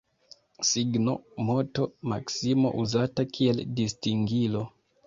Signo, moto, maksimo uzata kiel distingilo.